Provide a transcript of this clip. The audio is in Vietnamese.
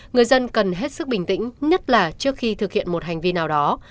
người dân cần hết sức bình tĩnh nhất là trước khi thực hiện một hành vi nào đó